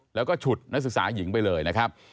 แล้วก็ฉุดนักศึกษาหญิงไปเลยนะครับ